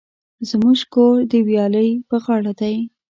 زموژ کور د ویالی په غاړه دی